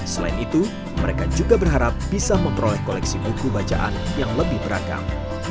selain itu mereka juga berharap bisa memperoleh koleksi buku bacaan yang lebih beragam